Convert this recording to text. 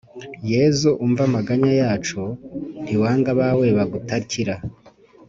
Yezu umva amaganya yacu ntiwanga abawe bagutakira